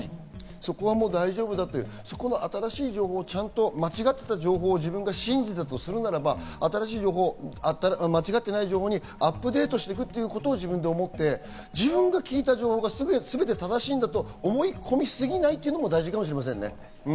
そこはもう大丈夫だって、新しい情報を間違ってた情報を信じていたとするならば、新しい情報を間違ってない情報にアップデートしていくということを自分で思って自分が聞いた情報がすべて正しいんだと思い込みすぎないということも大事かもしれませんね。